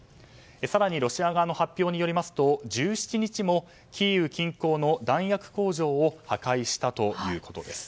更にロシア側の発表によりますと１７日もキーウ近郊の弾薬工場を破壊したということです。